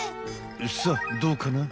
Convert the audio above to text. さあどうかな？